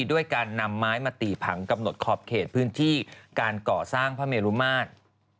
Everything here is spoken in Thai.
ด้วยการนำไม้มาตีผังกำหนดขอบเขตพื้นที่การก่อสร้างพระเมรุมาตร